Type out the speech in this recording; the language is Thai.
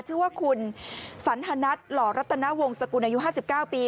ชื่อว่าคุณสันทนัทหล่อรัตนวงสกุลอายุ๕๙ปี